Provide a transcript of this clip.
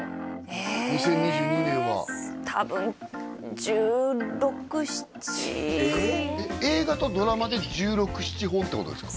２０２２年は多分映画とドラマで１６１７本ってことですか？